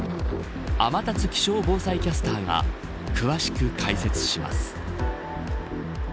天達気象防災キャスターが詳しく解説します。